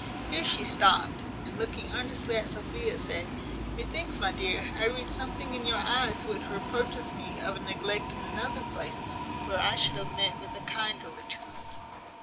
Here she stopt, and, looking earnestly at Sophia, said, "Methinks, my dear, I read something in your eyes which reproaches me of a neglect in another place, where I should have met with a kinder return."